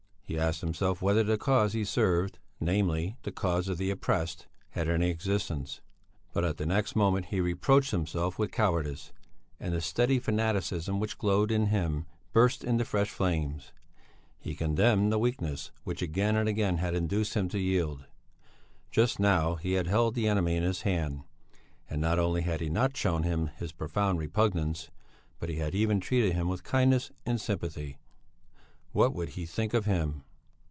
He asked himself whether the cause he served, namely, the cause of the oppressed, had any existence. But at the next moment he reproached himself with cowardice, and the steady fanaticism which glowed in him burst into fresh flames; he condemned the weakness which again and again had induced him to yield. Just now he had held the enemy in his hand, and not only had he not shown him his profound repugnance, but he had even treated him with kindness and sympathy; what would he think of him?